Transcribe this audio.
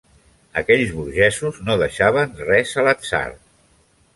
Aquells burgesos no deixaven res a l'atzar.